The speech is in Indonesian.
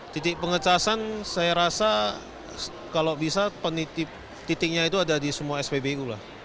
titik pengecasan saya rasa kalau bisa penitip titiknya itu ada di semua spbu lah